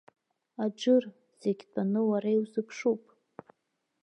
Аџыр, зегьы тәаны уара иузыԥшуп!